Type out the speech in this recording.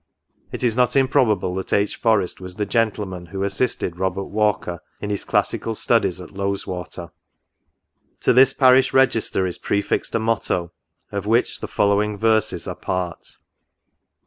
It is not improbable that H. Forest was the gentleman who assisted Robert Walker in his classical studies at Lowes water. To this parish register is prefixed a motto, of which the following verses are a part.